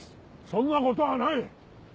そんなことはない！